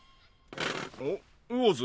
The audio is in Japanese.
おっ魚津？